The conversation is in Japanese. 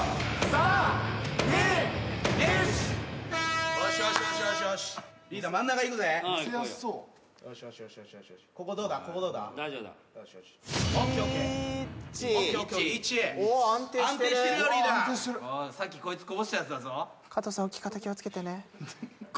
さっきこいつこぼしたやつだぞ。